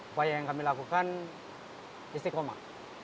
upaya yang kami lakukan istiqomah